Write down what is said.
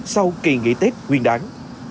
và tình hình nghỉ tết nguyên đáng